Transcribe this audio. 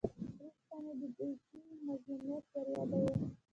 ورسته چې مې د ډولچي مظلومیت وریاداوه.